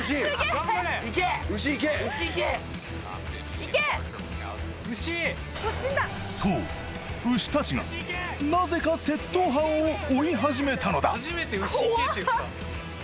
突進だそう牛達がなぜか窃盗犯を追い始めたのだ怖っ！